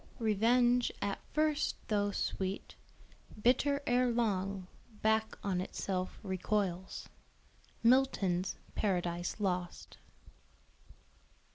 "Revenge at first though sweet, Bitter erelong, back on itself recoils." MILTON'S PARADISE LOST.